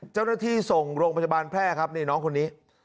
เจ้าหน้าที่ส่งโรงพยาบาลแพร่ครับนี่น้องคนนี้